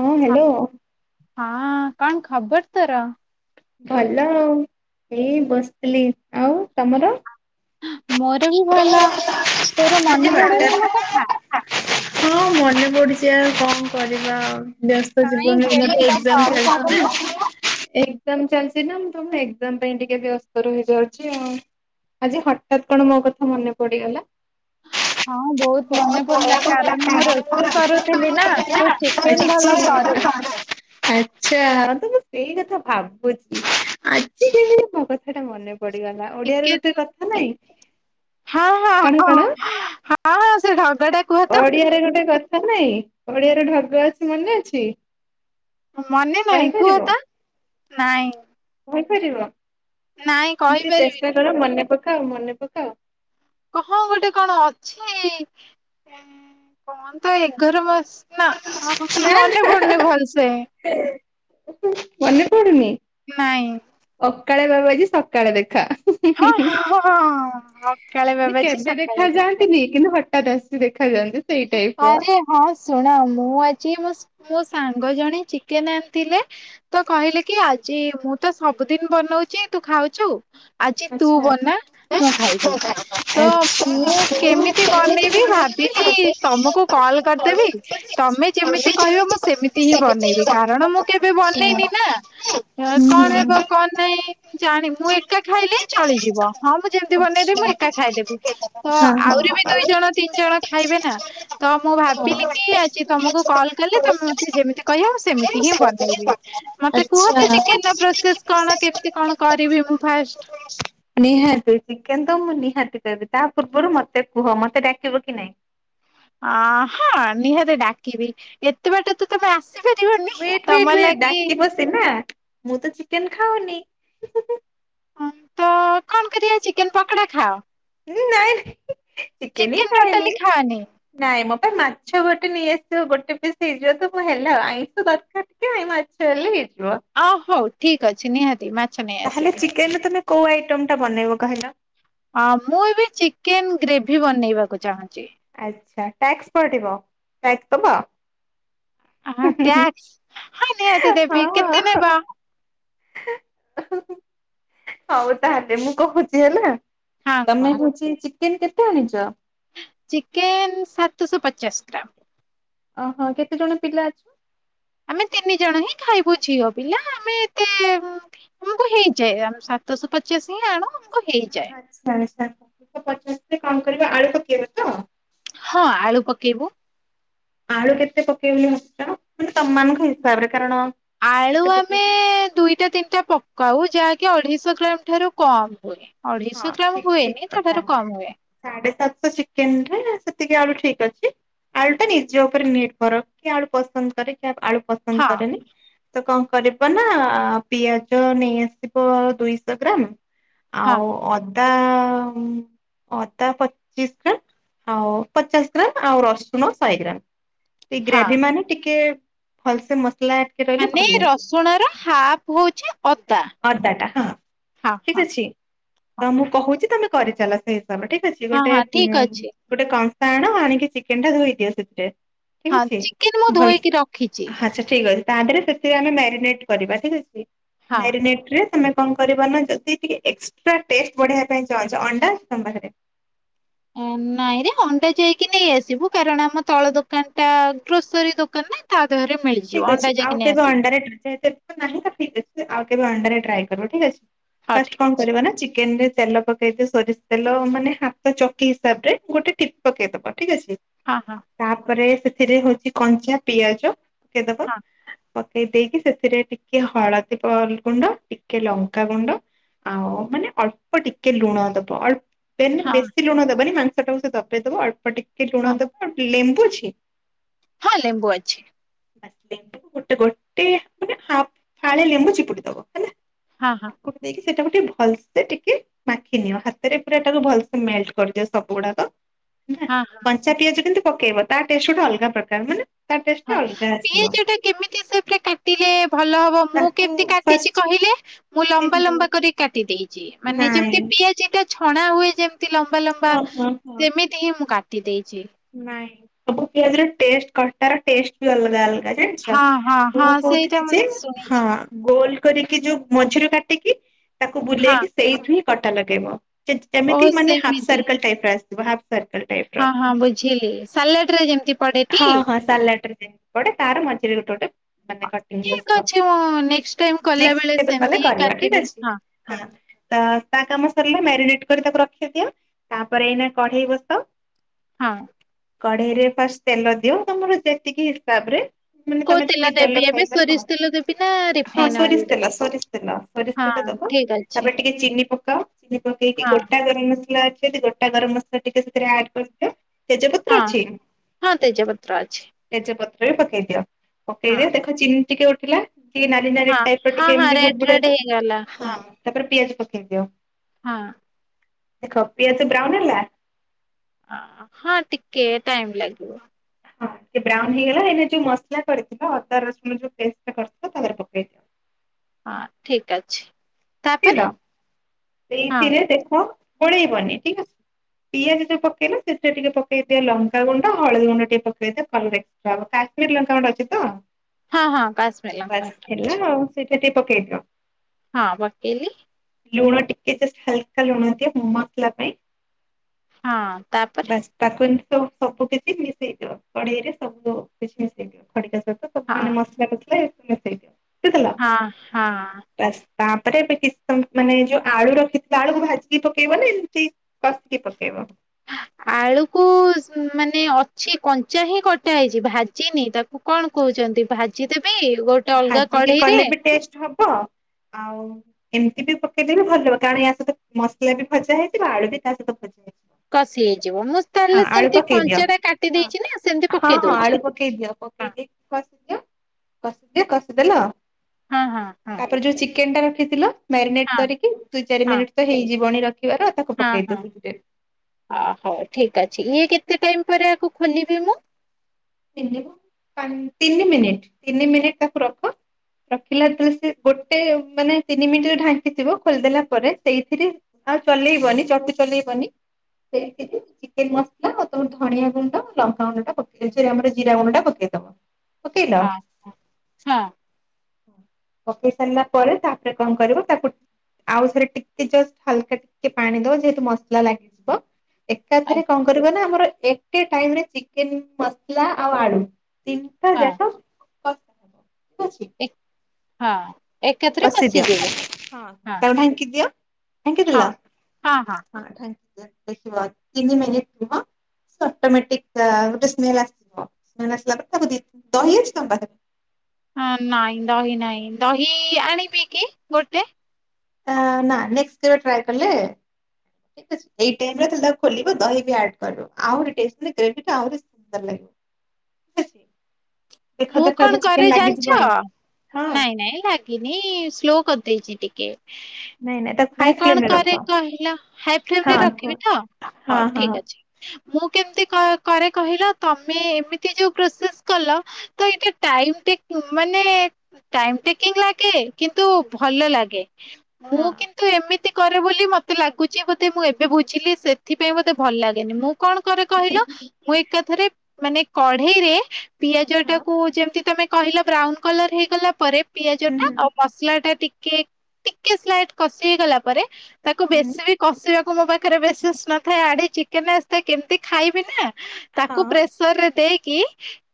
ହଁ ହ୍ୟାଲୋ। ହଁ-ଅ-ଅ କଣ ଖବର ତୋର? ଭଲ ଆଉ ଏଇ ବସିଥିଲି, ଆଉ ତମର? ମୋର ହିଁ ଭଲ, ତୋର ଆଜି ମନେ ହଠାତ୍ ପଡୁନି ମୋ କଥା? ହଁ ମନେ ପଡୁଛି ଆଉ କଣ କରିବା ଆଉ। ବ୍ୟସ୍ତ କାଇଁ ଜୀବନରେ ଏଇନା କେବେ ତ ଏକ୍ଜାମ କଲ୍ ଚାଲିଛି କରୁନୁ? ନା। ଏକ୍ଜାମ ଚାଲିଚି ନା ମୁଁ ତମ ଏକ୍ଜାମ ପାଇଁ ଟିକେ ବ୍ୟସ୍ତ ରହିଯାଉଛି ଆଉ ଆଜି ହ ଠାତ୍ କଣ ମୋ କଥା ମନେ ପଡିଗଲା? ହଁ ବହୁତ ମନେ ପଡିଲା କାରଣ ମୁଁ ରୋଷେଇ କରୁଥିଲି ନା, ତୁ ଚିକେନ ଭଲ କରୁ ଆଚ୍ଛା ତ ମୁଁ ସେଇ କଥା ଭାବୁଛି ଆଜି କେମିତି ମୋ କ ଥା ମନେ ପଡିଗଲା ଓଡିଆରେ ଗୋଟେ ଚିକେନ କଥା ନାଇଁ ହଁ ହଁ। କଣ ହଁ କଣ? ହଁ ହ ସେ ଢଗଟା କୁହ ତ ଓଡିଆରେ ଗୋଟେ କଥା ନାଇଁ, ଓଡିଆରେ ଢଗ ଅଛି ମନେ ଅଛି? ମନେ ନାଇ କୁହ କହିପାରିବ? ତ ନାଇଁ। କହିପାରିବ ନାଇଁ ଟିକେ କହିପାରିବିନି ଚେଷ୍ଟା କର ମନେ ପକାଅ ମନେ ପକାଅ। କହଁ ଗୋଟେ କଣ ଅଛି-ଇ-ଇ-ଇ କଣ ତ ଏ ଘର ମାଉସ ନା ଅ ମନେ ପଡ଼ୁନି ଭଲସେ। ମନ୍ୟ ପଡ଼ୁନି? ନାଇଁ ଅକାଳେ ବାବୁ ଆଜି ସକାଳେ ଦେଖା। ହଁ-ହ-ହ ହଁ। ସକାଳେ ଏତି ବାବାଜୀ କେବେ ସକାଳେ ଦେଖା ଅଛି। ଯାଆନ୍ତିନି କିନ୍ତୁ ହଠାତ ଆସିକି ଦେଖା ଯାଆନ୍ତି। ସେଇ ଟାଇପ ର। ଆରେ ହଁ ଶୁଣ ମୁଁ ଆଜି ମୋ ସ ମୋ ସାଙ୍ଗ ଜଣେ ଚିକେନ ଆଣିଥିଲେ ତ କହିଲେ କି ଆଜି-ଇ-ଇ ମୁଁ ତ ସବୁଦିନ ବନଉଛି ତୁ ଖାଉଛୁ ଆଜି ତୁ ଆଚ୍ଛା। ବନା ମୁଁ ଖାଇବି, ତ ଆଚ୍ଛା। ମୁଁ କେମିତି ବନେଇବି ଭାବ୍ ବିଲି-ଇ-ଇ ତମକୁ କଲ କରିଦେବି ତମେ ଯେମିତି କହିବ ମୁଁ ସେମିତି ହିଁ ବନେଇବି କାରଣ ମୁଁ କେବେ ବନେଇନି ନା ହଁ କଣ ହେବ କଣ ନାହିଁ ଜାଣି ମୁଁ ଏକା ଖାଇଲେ ଚଳିଯିବ ହଁ ମୁଁ ଯେମିତି ବନେଇଦେବି ମୁଁ ଏକା ଖାଇଦେବି। ତ ଆହୁରି ବି ଦୁଇ ଜଣ ତିନି ଜଣ ଖାଇବେ ନା। ତ ମୁଁ ଭାବିଲି କି ଆଜି ତମକୁ କଲ କଲେ ତମେ ମତେ ଯେମିତି କହିବ ମୁଁ ସେମିତି ହିଁ ବନେଇବି। ମତେ ଆଚ୍ଛା। କୁହତ ଚିକେନ ର ପ୍ରୋସେସ କଣ କେମିତି କଣ କରିବି ମୁଁ ଫାଷ୍ଟ? ନିହାତି ଚିକେନ ତ ମୁଁ ନିହାତି କହିବି, ତା ପୂର୍ବରୁ ମତେ କୁହ ମତେ ଡାକିବ କି ନାଇଁ? ଅ-ଅ-ଅ ହଁ ନିହାତି ଡାକିବି ଏତେ ବାଟ ତ ତମେ ଆସ ସି ପାରିବନି ତମର ଲାଗି ଟିନା-ଆ-ଆ ମୁଁ ତ ଚିକେନ ଖାଉନି। ତ-ଅ-ଅ କଣ କରିବା ଚିକେନ ପକୋଡ଼ା ଖାଅ? ନାଇଁ ଚିକେନି ହିଁ ଚିକେନ ଖାଏନି। ଟୋଟାଲି ଖାଅନି ନାଇଁ ମୋ ପାଇଁ ମାଛ ଗୋଟେ ନେଇଆସିବ ଗୋଟେ ପିସ୍ ହେଇଯିବ ତ ମୁଁ ହେଲା ଆଉ ଆଇଁଷ ଦରକାର କାଇଁ ମାଛଲେ ହେଇଯିବ। ଅ ହଉ ଠିକ ଅଛି ନିହାତି ମା ତାହେଲେ ଚିକେନ ରେ ତମେ କୋଉ ଆଇଟମ ଟା ବନେଇବ କହିଲ। ଅ ମୁଁ ଏବେ ଚିକେନ ଗ୍ରେଭି ବନେଇବାକୁ ଚାହୁଁଛି। ଆଚ୍ଛା ଟାକ୍ସ ପଡିବ ଟାକ୍ସ ଦବ? ହଁ ଟ୍ୟାକ୍ସ ନିହାତି ଦେବି କେତେ ହଁ ନେବ କୁହ। ହଉ ତାହେଲେ ମୁଁ କହୁଛି ହେଲା। ହଁ ତମେ କୁହ ହଉଛି ଚିକେନ କେତେ ଆଣିଚ? ଚିକେନ୍ ସାତଶହ ପଚାଶ ଗ୍ରାମ। ଓହୋ କେତେ ଜଣ ପିଲା ଅଛ? ଆମେ ତିନି ଜଣ ହିଁ ଖାଇବୁ ଝିଅ ପିଲା ଆମେ ଏତେ ଆମକୁ ହେଇଯାଏ ଆମ ସାତଶହ ପଚାଶ ହିଁ ଆଣୁ ଆମକୁ ହେଇ ଆଚଛା ଆଚଛା ସତ୍ଶହ ପଚାଶରେ କଣ କରିବା ଆଳୁ ପକେଇବ ତ? ହଁ ଆଳୁ ପକେଇବୁ। ଆଳୁ କେତେ ପକେଇବ ବୋଲି ଭାବିଛ ତମମାନଙ୍କ ହିସାବରେ କାରଣ ଆଳୁ କେତେ ଆମେ ପକେଇବ? ଦୁଇଟା ତିନିଟା ପକ ଆଳୁ ଯାହାକି ଅଢ଼େଇଶହ ଗ୍ରାମ ଠାରୁ କମ ହୁଏ ହଁ ଅଢ଼େଇଶହ ଗ୍ରାମ ଠିକ ଠିକ ହୁଏନି କଥା ତାଠାରୁ କମ ହୁଏ। ସାଢେ ସାତଶ ଚିକେନ ରେ ସେତିକି ଆଳୁ ଠିକ ଅଛି। ଆଳୁ ଟା ନିଜ ଉପରେ ନିର୍ଭର କି ଆଳୁ ପସନ୍ଦ କରେ କି ଆଳୁ ପସନ୍ଦ ହଁ କରେନି। ତ କଣ କରିବ ନା ପିଆଜ ନେଇଆସିବ ଦୁଇଶ ଗ୍ରାମ। ହଁ ଆଉ ଅଦା ଅଦା ପଚିଶ ଗ୍ରାମ ଆଉ ପଚାଶ ଗ୍ରାମ ଆଉ ରସୁଣ ଶହେ ଗ୍ରାମ। ଏଇ ହଁ ଗ୍ରେଭି ମାନେ ଟିକେ ଭଲସେ ମସଲା ଟିକେ ରହିଲେ ମାନେ ଭଲ ଲାଗିବ ରସୁଣ ର ହାପ ହଉଛି ଅଦା। ଅଦାଟା ହଁ। ହଁ ହଁ ଠିକ ଅଛି ହଁ ତ ମୁଁ କହୁଛି ତମେ କରିଚାଲ ସେଇ ହିସାବରେ ଠିକ ଅଛି ହଁ ଗୋଟେ ହଁ ଠିକ ଅଛି ଗୋଟେ କଂସା ଆଣ ଆଣିକି ଚିକେନ ଟା ଧୋଇ ଦିଅ ସେଥିରେ। ଠିକ ହଁ ଅଛି ଚିକେନ ମୁଁ ଭଲ ଧୋଇକି ରଖିଛି। ଆଛା ଠିକ ଅଛି। ତା ପରେ ସେଥିରେ ଆମେ ମ୍ୟାରିନେଟ କରିବା ଠିକ ଅଛି ହଁ। ମ୍ୟାରିନେଟ ରେ ତମେ କଣ କରିବ ନା ଯଦି ଟିକେ ଏକ୍ସଟ୍ରା ଟେଷ୍ଟ ବଢେଇବା ପାଇଁ ଚାହୁଁଛ ଅଣ୍ଡା ତମ୍ ପାଖରେ ଆ ନାଇଁରେ ଅଣ୍ଡା ଯାଇକି ନେଇ ଆସିବୁ କାରଣ ଆମ ତଳ ଦୋକାନ ଟା ଗ୍ରୋସରୀ ଦୋକାନ ନା। ତା ଦେହରେ ମିଳି ଠିକ୍ ଅଛି ଆଉ କେବେ ଅଣ୍ଡାରେ ନିହାତି ଏବେତ ନାହିଁ ଠିକ ଅଛି ଆଉ କେବେ ଅଣ୍ଡାରେ ଟ୍ରାଏ କରିବ ଠିକ ଅଛି ହଉ ଫାଷ୍ଟ ଠିକ କଣ ଅଛି କରିବ ନା ଚିକେନ ରେ ତେଲ ପକେ ସେଇଥିରେ ସୋରିଷ ତେଲ ମାନେ ହାତ ଚକି ହିସାବ ରେ ଗୋଟେ ଟିପ ପକେଇଦବା ଠିକ ଅଛି। ହଁ ହଁ। ତାପରେ ସେଥିରେ ହଉଛି କଞ୍ଚା ପିଆଜ ପକେଇଦବା। ହଁ। ପକେଇ ଦେଇକି ସେଥିରେ ଟିକେ ହଳଦୀ ଗୁଣ୍ଡ ଟିକେ ଲଙ୍କା ଗୁଣ୍ଡ। ଆଉ ମାନେ ଅଳ୍ପ ଟିକେ ଲୁଣ ଦବ ଅଳ୍ପ ଦେନ ରେ ହଁ ବେଶୀ ଲୁଣ ଦବନି ମାଂସଟାକୁ ସେ ଦପେଇଦବ ଅଳ୍ପ ଟିକେ ଲୁଣ ହଁ ଦବ ଆଉ ଲେମ୍ବୁ ଅଛି। ହଁ ଲେମ୍ବୁ ଅଛି। ଲେମ୍ବୁ ଗୋଟେ ଗୋଟେ ମାନେ ହାପ୍ ଫାଳେ ଲେମ୍ବୁ ଚିପୁଡି ଦବ ହେଲା। ହଁ ହଁ। ଚିପୁଡ଼ି ଦେଇକି ସେଇଟାକୁ ଟିକେ ଭଲସେ ଟିକେ କାଟିନିଅ ହାତରେ ପୁରା ତାକୁ ଭଲସେ ମେଲ୍ଟ କରିଦିଅ ସବୁ ଗୁଡାକ। ହଁ ହଁ। କଞ୍ଚା ପିଆଜ କିନ୍ତୁ ପକେଇବ ତା ଟେଷ୍ଟ ଗୁଟେ ଅଲଗା ପ୍ରକାର। ମାନେ ତା ଟେ ହଁ ପିଆଜ ଟା କେମିତି ସେ କେ କାଟିଲେ ଭଲ ହବ। ମୁଁ ତାକୁ କେମିତି କାଟିଛି ଫାଷ୍ଟ କହିଲେ? ମୁଁ ଲମ୍ବା କେମିତି ଲମ୍ବା କରି କାଟି ଦେଇଛି ମାନେ ନାଇଁ ଯେମିତି ପିଆଜିଟା ଛଣା ହୁଏ ଯେମିତି ଲମ୍ବା ଲମ୍ବା। ହଁ ହଁ ହଁ ସେମିତି ହିଁ ମୁଁ କାଟି ଦେଇଛି। ନାଇଁ ସବୁ ପିଆଜ ର ଟେଷ୍ଟ କଟା ଟେଷ୍ଟ ବି ଅଲଗା ଅଲଗା। ଜାଣିଚ! ହଁ ହଁ ହଁ ମୁଁ ସେଇଟା କହୁଥିଲି ମୁଁ ଯେ ଶୁଣିଛି ହଁ। ଗୋଲ କରିକି ଯୋଉ ମଝିରେ କାଟିକି ତାକୁ ହଁ ବୁଲେଇକି ସେଇଠି ହିଁ କଟା ଲଗେଇବ। ସେ ଓହୋ ଯେମିତି ମାନେ ହାଫ୍ ସେମିତି। ସର୍କଲ ଟାଇପ ର ଆସିବ ହାଫ୍ ସର୍କଲ ଟାଇପ୍। ହଁ ହଁ ବୁଝିଲି ସାଲାଟ୍ ରେ ଯେମିତି ପଡେ। ହଁ ହଁ ସାଲାଟ୍ ରେ ଯେମିତି ପଡେ ତାର ମଝିରେ ଗୋଟେ ଗୋଟେ। ହଁ, ମାନେ [inaudible] ଠିକ ଅଛି ମୁଁ ନେକ୍ସଟ ଟାଇମ କଲା ବେଳେ ନେଷ୍ଟ କେବେ କଲେ ସେମିତି ହିଁ କହିବ ଠିକ କାଟିବି ଅଛି। ହଁ ତ, ତା କାମ ସରିଲା ମ୍ୟାରିନେଟ କରି ତାକୁ ରଖିଦିଅ। ତାପରେ ଏଇନା କଢେଇ ବସ। ହଁ। କଢେଇ ରେ ଫାଷ୍ଟ ତେଲ ଦିଅ ତମର ଯେତିକି ହିସାବରେ ମାନେ କୋଉ ତମେ କି ଦେବି ତେଲ ଏବେ ଖାଇପାରିବ ସୋରିଷ ତେଲ ଦେବି ନା ହଁ ରିଫାଇନ ଅଏଲ ସୋରିଷ ଦେବି? ତେଲ ସୋରିଷ ତେଲ ସୋରିଷ ତେଲ ହଁ ଦବ ଠିକ ତା ଅଛି ପରେ ଟି ଟିକେ ଚିନି ପକାଅ ଚିନି ପକେଇକି ହଁ। ଗୋଟା ଗରମ୍ ମସଲା ଅଛିି ଯଦି ଗୋ ଗୋଟା ଗରମ୍ ମସଲା ଟିକେ ସେଥିରେ ଆଡ୍ କରିଦିଅ। ତେଜପତ୍ର ହଁ ଅଛି? ହଁ ତେଜପତ୍ର ଅଛି ତେଜପତ୍ର ବି ପକେଇ ଦିଅ। ହଁ ପକେଇଦେଇ ଦେଖ ଚିନି ଟିକେ ଉଠିଲା ଟିକେ ନାଲି ନାଲି ନାଲି ହଁ ଟାଇପ୍ ର ହଁ ଟିକେ ହଁ ରେଡ୍ ବୁଡ୍ ବୁଡ୍ ରେଡ୍ ହେଲା। ହେଇଗଲା ହଁ, ତା ପରେ ପିଆଜ ପକେଇ ଦିଅ। ହଁ। ଦେଖ ପିଆଜ ବ୍ରାଉନ୍ ହେଲା? ହଁ ଟିକେ ଟାଇମ୍ ଲାଗିବ। ହଁ ଟିକେ ବ୍ରାଉନ୍ ହେଇଗଲା ଏଇନେ ଯଉ ମସ୍ ଲା କରିଥିଲ ଅଦା, ରସୁଣ ଯଉ ପେସ୍ ଟା କରିଥିଲ ତା ଦେହରେ ପକେଇଦିଅ। ହଁ ଠିକ୍ ଅଛି। ତାପରେ ହଁ ସେଇଥିରେ ଦେଖ ଗୋଳେଇବନି, ଠିକ୍ ଅଛି। ପିଆଜ ଯଉ ପକେଇଲ ସେଥିରେ ଟିକେ ପକେଇଦିଅ ଲଙ୍କା ଗୁଣ୍ଡ, ହଳଦୀ ଗୁଣ୍ଡ ଟିକେ ପକେଇଦିଅ ଭଲଦେ ରାଗ କାଶ୍ମୀର୍ ଲଙ୍କା ଗୁଣ୍ଡ ଅଛି ତ ହଁ ହଁ କାଶ୍ମୀର ଲଙ୍କା ବାସ୍ ଗୁଣ୍ଡ ହେଲା ଅଛି। ଆଉ। ସେଇଠା ଟିକେ ପକେଇଦିଅ। ହଁ ପକେଇଲି? ଲୁଣ ଟିକେ ଜଷ୍ଟ୍ ହାଲକା ଲୁଣ ଦିଅ ମସଲା ପାଇଁ। ହଁ ତାପରେ? ବାସ୍ ତାକୁ ଏମିତି ସବୁ କିଛି ମିଶେଇ ଦିଅ। କଢ଼େଇ ରେ ସବୁ କିଛି ମିଶେଇ ଦିଅ ଖଡିକା ସହିତ। ସବୁ ହଁ ମାନେ ମସଲା କସିଲେ ସବୁ ମିଶେଇଦିଅ। ହଁ ହଁ ପାସ୍ତା ପା ତାପରେ ଏବେ କିଛି ସମୟ ମାନେ ଯୋଉ ଆଳୁ ରଖିଥିବା ଆଳୁକୁ ଭାଜିକି ପକେଇବ ନା ଏମିତି କଷିକି ପକେଇବ? ଆଳୁକୁ ମାନେ ଅଛି କଞ୍ଚା ହିଁ କଟା ହେଇଛି ଭାଜିନି ତାକୁ। ମୁ କଣ କହୁଛନ୍ତି ଭାଜି ଦେବି? ଭାଜିକି କଲେ ବି ଟେଷ୍ଟ୍ ହବ ଆଉ ଏମିତି ବି ପକେଇଦେ ବି ଭଲ ହବ କାରଣ ୟା ସହିତ ମସଲା ବି ଭଜା ହେଇଥିବ ଆଳୁ ବି ତା ସହିତ ଭଜା ହେଇଯିବ। କଷି ହେଇଯିବ, ମୁଁ ତାହେଲେ ସେମିତି ଦିଅ। କଞ୍ଚାଟା କାଟି ଦେଇେଇଛି ନା ସେମତି ପକେଇଦଉଛି? ପଠେଇଦିଅ ପକେଇଦେଇକି କଷିଦିଅ। କଷିଦିଅ, କଷିଦେଲ? ହଁ, ହଁ, ହଁ। ତାପରେ ଯୋଉ ଚିକେନ୍ ଟା ରଖିଥିଲ ମ୍ୟାରିନେଟ୍ ହଁ କରିକି ଦୁଇ ଚାରି ହଁ ମିନିଟ୍ ତ ହେଇଯିବଣି ରଖିବାର ତାକୁ ହଁ ପକେଇ ଦିଅ ହଁ। ସେଇଥିରେ। ଆ ହଉ ଠିକ୍ ଅଛି ଇଏ କେତେ ଟାଇମ୍ ପରେ ଆକୁ ଖୋଲିବି ମୁଁ? ତିନିପା ପାଁନ୍ ତିନି ମିନିଟ୍, ତିନି ମିନିଟ୍ ତାକୁ ରଖ ରଖିଲା ଯେତେବେଳେ ସେ ଗୋଟେ ମାନେ ତିନି ମିଣ୍ଟିରେ ଢାଙ୍କିଥିବ ଖୋଲିଦେଲା ପରେ ସେଇଥିରେ ଆଉ ଚଲେଇବନି ଚଟୁ ଚଲେଇବନି। ସେଇ ଟିକେ ଚିକେନ୍ ମସଲା ଆଉ ତମ ଧଣିଆ ଗୁଣ୍ଡ, ଲଙ୍କାଗୁଣ୍ଡଟା ପକେଇ ଫିର୍ ଆମର ଜିରାଗୁଣ୍ଡଟା ପକେଇ ଦବ। ହଁ, ହଁ। ପକେଇ ସାରିଲା ପରେ ତାପରେ କଣ କରିବ ତାକୁ ଆଉ ଥରେ ଟିକେ ଜଷ୍ଟ୍ ହାଲକା ଟିକେ ପାଣି ଦବ ଯେହେତୁ ମସଲା ଲାଗିଯିବ। ଏକାଥରେ ଆଜ୍ଞା, କଣ କରିବ ନା ଆମର ଏତେ ଟାଇମ୍ ରେ ଚିକେନ୍ ମସଲା ଆଉ ଆଳୁ। ତିନିଟା ହଁ ଯାକ ପ ଠିକ୍ ଅଛି? ଏକ୍ ହଁ। ଏକାଥରେ କଷି ଦିଅ, କଷିଯିବ। ହଁ ତାକୁ ଢାଙ୍କି ଦିଅ। ହଁ ଢାଙ୍କିଦେଲ? ହଁ ଢାଙ୍କି [unintelligible] ଦେଖିବ ତିନି ମିନିଟ୍ ଯିବ ସେ ଅଟୋମେଟିକ୍ ଆ ଗୋଟେ ସ୍ମେଲ୍ ଆସିବ, ସ୍ମେଲ୍ ଆସିଲା ପରେ ତାକୁ ଦି, ଦହି ଅଛି ତମ ପାଖରେ? ହଁ ନାହିଁ ଦହି ନାହିଁ, ଦହି ଆଣିବି କି ଗୋଟେ? ତା ନାଁ ନେଷ୍ଟ୍ କେବେ ଟ୍ରାଏ କଲେ ଠିକ୍ ଅଛି ଏଇ ଟାଇମ୍ ରେ ଯେତଳେ ତାକୁ ଖୋଲିବ ଦହି ବି ଆଡ୍ କରିବ ଆହୁରି ଟେଷ୍ଟ୍ ମାନେ ଗ୍ରେଭିଟା ଆହୁରି ଭଲ୍ ଲାଗିବ ଠିକ୍ ଅଛି। ଦେଖ ମୁଁ ଦେଖ କଣ ଏବେ ଚିକେନ କରେ ଜାଣିଛ, ଲାଗିଯିବଣି ହଁ ନାଇଁ ନାଇଁ ଲା ଗିନି ସ୍ଲୋ କରିଦେଇଛି ଟିକେ। ନାଇଁ ନାଇଁ ତାକୁ ମୁଁ ହାଇ କଣ ଫ୍ଲେମରେ ରଖ। କରେ କହିଲ ହାଏ ଫ୍ରେମ୍ରେ ହଁ କୁହ ରଖିବି ତ? ହଁ ହଉ ହଁ ଠିକ୍ ଅଛି। ମୁଁ କେମିତି କ କରେ କହିଲ ତମେ ଏମିତି ଯୋଉ ପ୍ରସେସ୍ କଲ ତ ଏଇଟା ଟାଇମଟେ ମାନେ ଟାଇମ୍ ଟେକିଂ ଲାଗେ କିନ୍ତୁ ଭଲ ଲାଗେ, ମୁଁ ହଁ। କିନ୍ତ୍ ନ୍ତୁ ଏମିତି କରେ ବୋଲି ମତେ ଲାଗୁଛି ବୋଧେ ମୁଁ ଏବେ ବୁଝିଲି ସେଥିପାଇଁ ବୋଧେ ଭଲ ଲାଗେନି, ମୁଁ କଣ କରେ କହିଲ ମୁଁ ଏକାଥରେ ମାନେ କଢେଇରେ ପିଆଜଟାକୁ ଯେମିତି ତମେ କହିଲ ବ୍ରାଉନ କଲର ହେଇଗଲା ପରେ ପିଆଜଟା ଆଉ ହୁଁ ମସଲାଟା ଟିକେ ଟିକେ ସ୍ଲାଇଟ କଷି ହେଇ ଗଲା ପରେ ତାକୁ ହୁଁ ବେଶୀ ବି କଷିବାକୁ ମୋ ପାଖରେ ବେସିସ୍ ନଥାଏ ଆଡ଼େ ଚିକେନ ଆସିଥାଏ କେମିତି ଖାଇବି ନା। ତାକୁ ହଁ ପ୍ରେସରରେ ଦେଇକି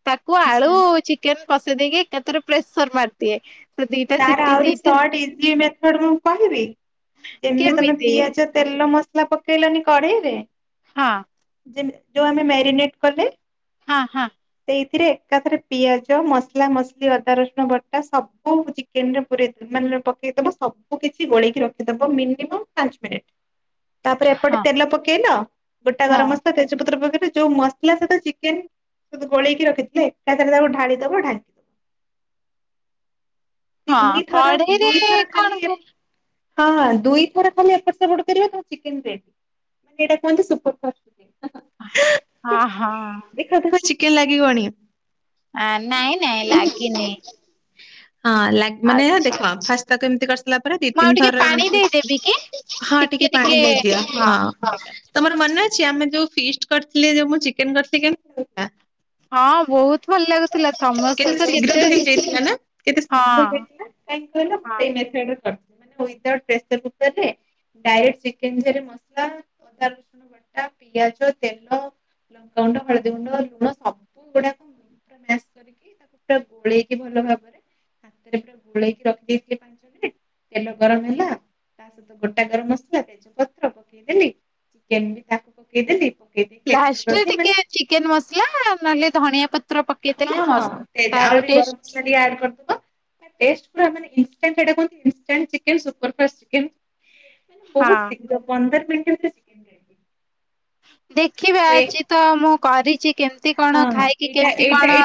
ତାକୁ ଆଳୁ ଆଛା ଚି କେନ୍ ପସେଇ ଦେଇକି ଏକାଥରେ ପ୍ରେସର ମାରିଦିଏ। ସେ ଦିଟା ତାର ସିଟି ଆହୁରି ଦିଟା ସଟ୍ ଇଜି ମେଥଡ଼ ମୁଁ କହିବି, ଯେମିତି ତମେ କେମିତି ପିଆଜ ତେଲ ମସଲା ପକେଇଲନି କଢେଇରେ ହଁ ଯେମି ଯୋଉ ଆମେ ମ୍ୟାରିନେଟ କଲେ? ହଁ, ହଁ। ସେଇଥିରେ ଏକାଥରେ ପିଆଜ ମସଲା ମସଲି ଅଦା ରସୁଣ ବଟା ସବୁ ଚିକେନ୍ ରେ ପୁରେଇ ମାନେ ପକେଇ ସବୁ କିଛି ଗୋଳେଇକି ରଖିଦବ ମିନିମମ୍ ପାଞ୍ଚ ମିନିଟ୍। ତାପରେ ଏପଟେ ହଁ ତେଲ ପକେଇଲ ଗୋଟା ହଁ ଗରମ ମସଲା ତେଜପତ୍ର ପକେଇଲ ଯୋଉ ମ ଥିଲା ସହିତ ଚିକେନ ସ ଗୋଳେଇକି ରଖିଥିଲେରେ ତାକୁ ଢାଳି ଦବ ଢା ତିନି ହଁ ଥର କଢେଇରେ ଦୁଇଥର ଖାଲି କଣ କି ହଁଁ ଦୁଇ ଥର ଖାଲି ଏପଟ ସେପଟ କରିବା ଚିକେନ ରେଡି ମାନେ ଏଇଟା କୁହନ୍ତି ସୁର ଫାଷ୍ଟ ହଁ ହଁ ଦେଖା ଦେଖ ଚିକେନ ଲାଗି ଗଣି ହଁ ନାଇଁ ନାଇଁ ଲାଗି ନହି। ହଁ ଲ ମାନେ ଦେଖ ଖାସ୍ତା କେମିତି କରି ଦୁଇ ମୁଁ ଆଉ ତିନି ଟିକେ ପାଣି ଥରଏମିତି ଦେଇଦେବି କି ଟିକେ [unintelligible] ଟିକେ ପାଣି ଦେଇ ଦିଅ ହଁ ଠିକ ଅଛି ର ମନେ ଅଛି ଆମେ ଯୋଉ ଫିସ୍ କରିଥିଲେ ଯଉ ମୁଁ ଚିକେନ କରିଥିଲି କେମିତି ହଁ ବହୁତ ଭଲ ଲାଗୁଥିଲା [inaudible] ସମସ୍ତେ କେତେ ତ ଶୀଘ୍ରଲିଯାଇଥିଲା ନା କେତେ ଶୀଘ୍ର ହଁ [inaudible] ଡାଏଟ ହଁ। ଚିକେନ ଚରି ମସଲା ଅଦା ରସୁଣ ବଟା ପିଆଜ ତେଲ ଲଙ୍କାାଗୁଣ୍ଡ ହଳଦୀ ଗୁଣ୍ଡ ଲୁଣ ସବୁ ଗୁଡାକ ମସ କରିକି ତାକୁ ପୁରା ଗୋଳେଇକି ଭଲ ଭାବରେ ହରେ ପୁରା ଗୋଳେଇକି ରଖିଦେଇଥିଲେ ପାଞ୍ଚ ମିନିଟ ତେଲ ଗରମ ହେଲା ତା ସହିତ ଗୋଟା ଗରମ ମସଲା ତେଜ ପତ୍ର ପକେଇଦଲି ଚିକେନ ବି ତାକୁ ପକେଇଦି ପକେଇ ଦେଇି ଏକା ଲାଷ୍ଟରେ ମେ ଟିକେ ଚିକେନ ମସଲା ନହେଲେ ଧଣିଆ ପତ୍ର ପକେଇଦେଲେ ହଁ- ମସ୍ତ ହଁ- ତାର ଆହୁରି ଟେଷ୍ଟ ଗରମ ମସଲାିକ ଆଡ୍ କରିଦେବ [inaudible] ଟେଷ୍ଟୀ ପୁରା [inaudible] ଚିକେନ ହଁ ବହୁତ ଶୀଘ୍ର ପନ୍ଦର ମିନିଟ ଭିତ ସିଯିବ ଦେଖିବା ଆଜି ତ ମୁଁ କରିଛି କେମତି ହଁ କଣ ହଁ ଖାଇକି କେମତି କଣ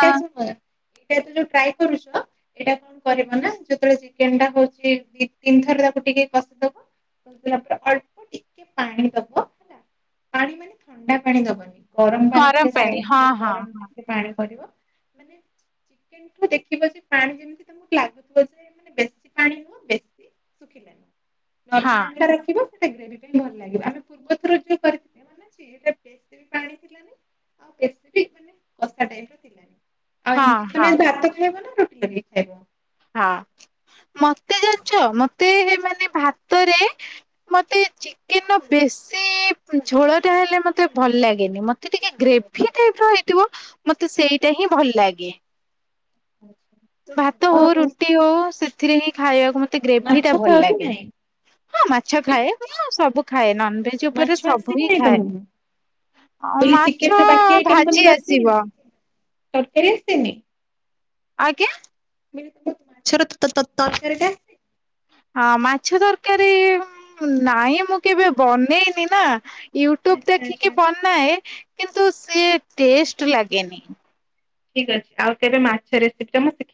[inaudible] କରୁଛୁ ଏଇଟା କଣ କରିବ ନା ଯେୋତେବେଳେ ଚିକେନ ଟା ହଉଛି ଦି ତିନି ଥର ତାକୁ ଟିକେ କସିଦେବା ବିଲା ପରେ ଅଳ୍ପ ଟିକେ ପାଣି ଦବ ହେଲା ପାଣି ମାନେ ଥଣ୍ଡା ପାଣି ଦବନି ଗରମ ପାଣି ଟିକେ ସାଇଡ ଗରମ ଟିକେ ପାଣି କରିବ ମାନେ କିନ୍ତୁ ଦେଖିବ ଯେ ପାଣି ଯେମିତି ତମକୁ ଲାଗୁଥିବ ଯେ ମାନେ ବେଶୀ ପାଣି ନୁହଁ [inaudible] ହଁ ନର୍ମାା ରିବ ସେଟା ଗ୍ର ଭଲ ଲ ଆମେ ପୂର୍ବ ଯଉ [inaudible] ସେଠ ମାନେ କଷା ଟାଇପ ର ଥିଲାଣି ଆଉ ହଁ ଏମିତି ହଁ। ତମେ ଭାତ ଖାଇବ ନା ରୁଟି ଲ ଖାଇବ ହଁ ମତେ ଜାଣିଛ ମତେ ମାନ ଭାତରେ ମତେ ଚିକେନ ବେଶୀ ଝୋଳ ଟା ହେଲେ ମତେ ଭଲ ଲାଗେନି ମତେ ଟିକେ ଗ୍ରେଭି ର ହେଇଥିବ ମତେ ସେଇଟା ହିଁ ଭଲ ଲାଗେ ଁ [inaudible] ଭାତ ହଉ ରୁଟି ହଉ ସେଥିରେ ହିଁ ଖାଇବାକୁ ମ ମତେ ଗ୍ରେଭି ଟା ମାଛ ଭଲ ଖାଅ କି ଲାଗେ ନାଇଁ? ହଁ ମାଛ ବେଲି ଖାଏ ସବୁ ଖାଏ ନନଭେଜ ଜ ମାଛ ଉପରେ ଆସେ ସବୁ କି ହିଁ ନାଇଁ ତମକୁ ଖଥାାଏ ବେଲି ଚିକେନ ମାଛ ର ଭାଜି ଆସିବ ତରକାରେ ଆସିନି ଆଜ୍ଞା। ମାଛ ତ-ତରକାରୀ ଟା ହଁ ମାଛ ତରକାରୀ ନହିଁ ମୁଁ କେବେ ବନେଇନି ନା ୟୁଟ୍ୟୁବ ଆଚ୍ଛା ଆଚ୍ଛା ଦେଖିକି ବନାଏ କିନ୍ତୁ ସି ଟେଷ୍ଟ ଲାଗେନି ଠିକ୍ ଅଛି ଆଉ କେବେ ମାଛ ରେସିପି ଟା ମୁଁ ଶିଖେ